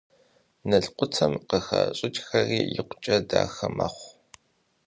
Налкъутым къыхащӏьӀкӀхэри икъукӀэ дахэ мэхъу.